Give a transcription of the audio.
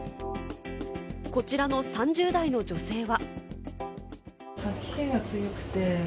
こちらの３０代の女性は。